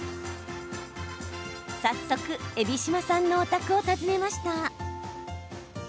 早速、海老島さんのお宅を訪ねました。